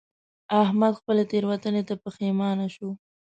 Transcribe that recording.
احمد خپلې تېروتنې ته پښېمانه شو.